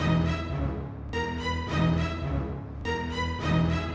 earth house ke danau sekarang